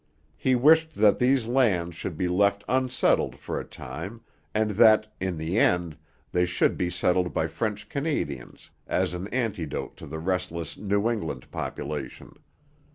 He wished that these lands should be left unsettled for a time, and that, in the end, they should be settled by French Canadians 'as an antidote to the restless New England population.'